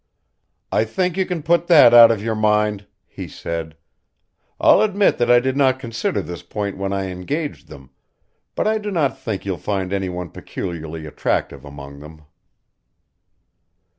"I think you can put that out of your mind," he said. "I'll admit that I did not consider this point when I engaged them, but I do not think you'll find any one peculiarly attractive among them."